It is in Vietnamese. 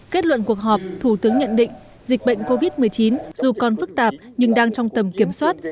kết luận cuộc họp thủ tướng nhận định dịch bệnh covid một mươi chín dù còn phức tạp nhưng đang trong tầm kiểm soát